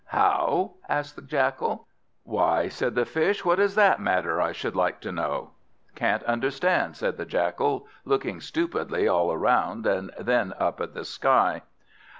"How?" asked the Jackal. "Why," said the Fish, "what does that matter, I should like to know?" "Can't understand," said the Jackal, looking stupidly all round and then up at the sky.